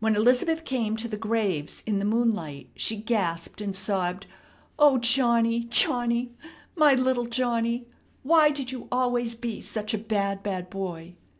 When Elizabeth came to the graves in the moonlight, she gasped, and sobbed: "O, Johnny, Johnny, my little Johnny! Why did you always be such a bad, bad boy?"